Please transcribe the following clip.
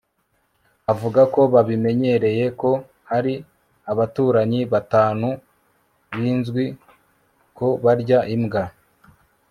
avuga ko babimenyereye ko hari abaturanyi batanu bizwi ko barya imbwa